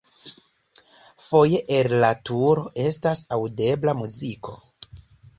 Foje el la turo estas aŭdebla muziko.